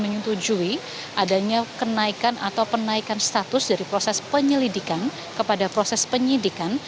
menyetujui adanya kenaikan atau penaikan status dari proses penyelidikan kepada proses penyidikan